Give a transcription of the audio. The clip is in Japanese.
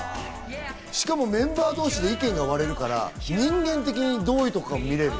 しかもメンバー同士で意見が割れるから、人間的にどういう人か見られる。